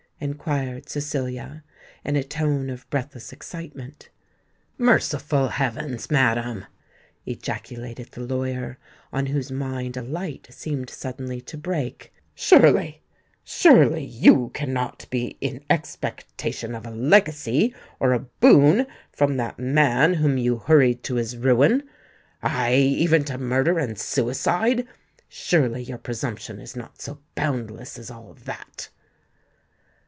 inquired Cecilia, in a tone of breathless excitement. "Merciful heavens, madam!" ejaculated the lawyer, on whose mind a light seemed suddenly to break: "surely—surely you cannot be in expectation of a legacy or a boon from that man whom you hurried to his ruin—aye, even to murder and suicide? Surely your presumption is not so boundless as all that?"